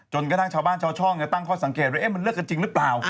กระทั่งชาวบ้านชาวช่องตั้งข้อสังเกตว่ามันเลิกกันจริงหรือเปล่า